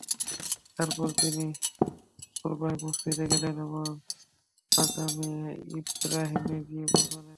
তারপর তিনি পূর্বাহ্নে মসজিদে গেলেন এবং মাকামে ইবরাহীমে গিয়ে পৌঁছলেন।